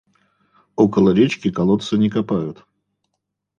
Около речки колодца не копают.